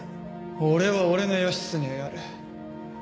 俺は俺の義経をやる。